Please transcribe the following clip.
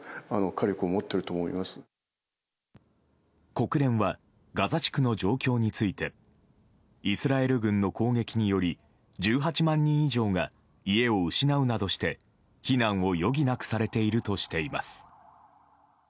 国連はガザ地区の状況についてイスラエル軍の攻撃により１８万人以上が家を失うなどして避難を余儀なくされているとしています。